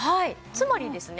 つまりですね